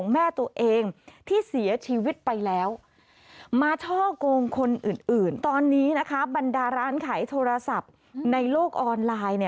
มีโทรศัพท์ในโลกออนไลน์